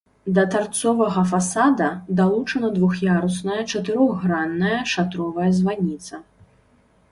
Да тарцовага фасада далучана двух'ярусная чатырохгранная шатровая званіца.